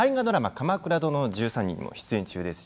「鎌倉殿の１３人」にも出演中です。